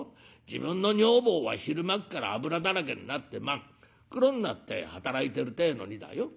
自分の女房は昼間っから油だらけになって真っ黒になって働いてるってえのにだよ